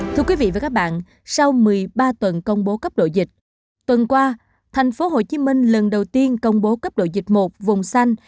thưa quý vị và các bạn sau một mươi ba tuần công bố cấp độ dịch tuần qua thành phố hồ chí minh lần đầu tiên công bố cấp độ dịch một vùng xanh